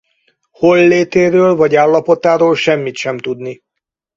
Hollétéről vagy állapotáról semmit sem tudni.